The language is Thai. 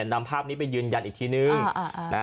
นำภาพนี้ไปยืนยันอีกทีนึง